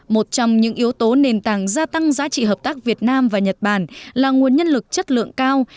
một trong những yếu tố nền tảng gia tăng giá trị hợp tác việt nam và nhật bản là nguồn nhân lực chất lượng cao